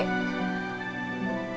ya makasih ya punya